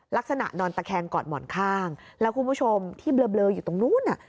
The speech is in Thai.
นอนตะแคงกอดหมอนข้างแล้วคุณผู้ชมที่เบลออยู่ตรงนู้น